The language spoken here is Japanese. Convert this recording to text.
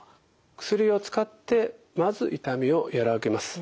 薬を使ってまず痛みを和らげます。